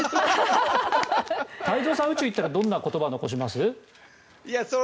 太蔵さんは宇宙に行ったらどんな言葉を残します？